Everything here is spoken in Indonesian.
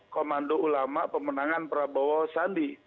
komando ulama pemenangan prabowo sandi